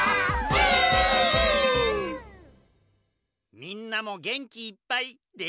みんなもげんきいっぱいできたかな？